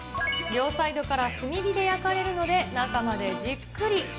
両サイドから炭火で焼かれるので、仲間でじっくり。